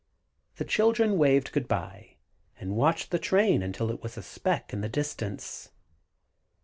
The children waved "good bye," and watched the train until it was a speck in the distance.